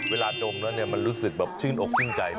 เวลาดมแล้วเนี่ยมันรู้สึกชื่นอกชื่นใจ